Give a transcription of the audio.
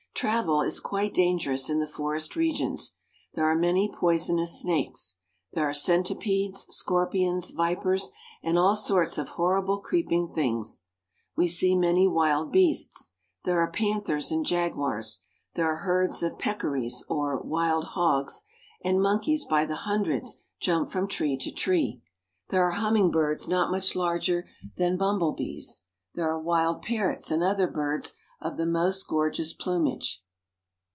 Travel is quite dangerous in the forest regions. There are many poisonous snakes. There are centipedes, scor pions, vipers, and all sorts of horrible creeping things. We see many wild beasts. There are panthers and jaguars. There are herds of peccaries, or wild hogs ; and monkeys by the hundreds jump from tree to tree. There are humming birds not much larger than bumblebees. There are wild parrots and other birds of the most gor geous plumage.